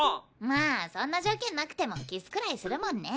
まあそんな条件なくてもキスくらいするもんね。